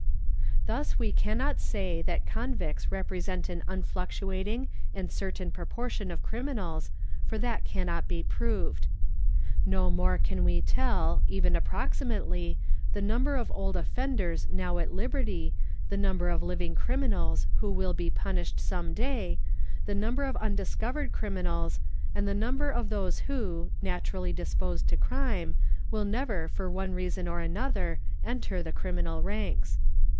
'Thus we cannot say that convicts represent an unfluctuating and : ertain proportion of criminals, for that cannot be proved. No more can "we tell, even approximately, the number of old offenders now at liberty, he number of living criminals who will be punished some day, the i hal mber of undiscovered criminals, and the number of those who, natu 'Yally disposed to crime, will never for one reason or another enter the @iminal ranks.